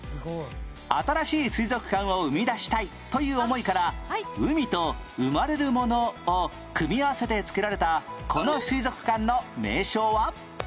新しい水族館を生み出したいという思いから「海」と「生まれるもの」を組み合わせて付けられたこの水族館の名称は？